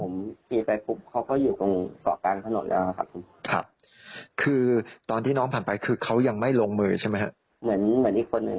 มาดูแลพื้นที่นี้หน่อย